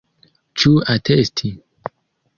Ĉu atesti?